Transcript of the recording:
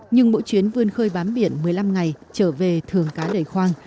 nhưng mỗi chuyến vươn khơi bám biển một mươi năm ngày trở về thường cá đầy khoang